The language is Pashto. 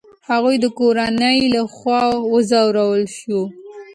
هغې د کورنۍ له خوا وځورول شوه.